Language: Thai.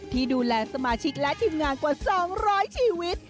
ที่ดูแลสมาชิกและทีมงานกว่า๒๐๐ชีวิต